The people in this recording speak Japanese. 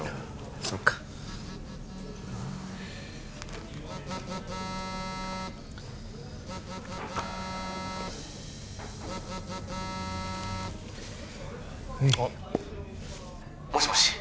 そっかはいあっもしもし？